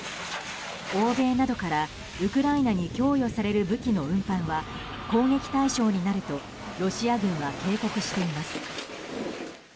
欧米などからウクライナに供与される武器の運搬は攻撃対象になるとロシア軍は警告しています。